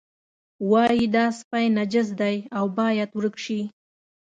وایي دا سپی نجس دی او باید ورک شي.